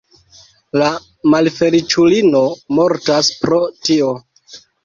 La malfeliĉulino mortas pro tio.